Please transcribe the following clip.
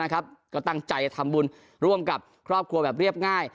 ก็ตั้งใจจะทำบุญร่วมกับครอบครัวแบบเรียบง่าย